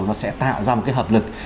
nó sẽ tạo ra một cái hợp lực